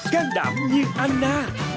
càng đảm như anna